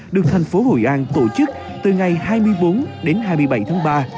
được thành phố hội an tổ chức từ ngày hai mươi bốn đến hai mươi bảy tháng ba